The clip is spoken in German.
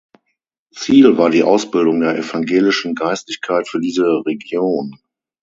Ziel war die Ausbildung der evangelischen Geistlichkeit für diese Region.